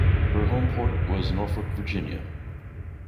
Her home port was Norfolk, Virginia.